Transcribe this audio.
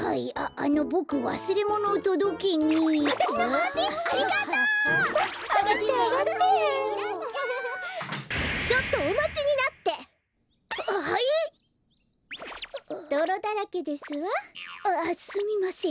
あっすみません。